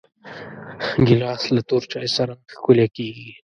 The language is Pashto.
ګیلاس له تور چای سره ښکلی کېږي.